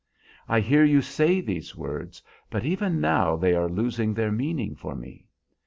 I hear you say these words, but even now they are losing their meaning for me.